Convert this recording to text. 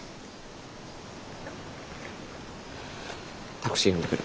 タクシー呼んでくる。